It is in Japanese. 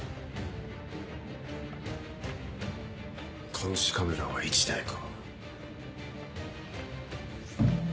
監視カメラは１台か。